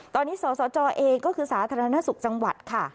ตอนนี้สสจเองก็คือสาธารณสุขจังหวัดค่ะ